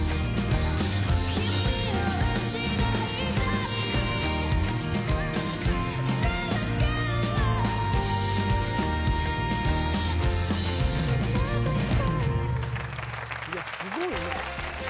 いやすごいね。